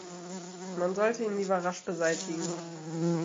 Man sollte ihn lieber rasch beseitigen.